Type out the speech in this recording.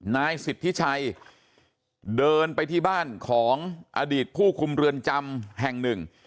นายสิทธิชัยเดินไปที่บ้านของอดีตผู้คุมเรือนจำแห่งหนึ่ง